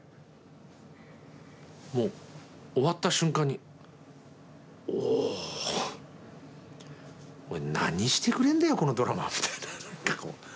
もう終わった瞬間に「お何してくれんだよこのドラマ」みたいな何かこう。